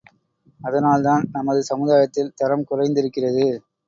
அதனால்தான் நமது சமுதாயத்தில் தரம் குறைந்திருக்கிறது.